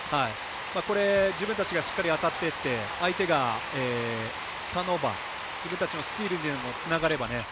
これ、自分たちがしっかり当たっていって相手がターンオーバー自分たちのスチールにつながれば。